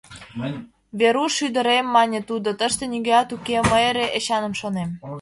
— Веруш ӱдырем, — мане тудо, — тыште нигӧат уке, мый эре Эчаным шонем.